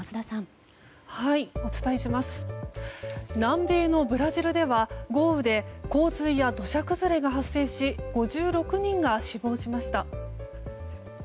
南米のブラジルでは豪雨で洪水や土砂崩れが発生し５６人が死亡しました。